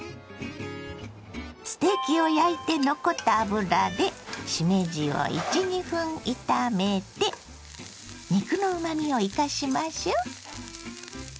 ステーキを焼いて残った油でしめじを１２分炒めて肉のうまみを生かしましょ。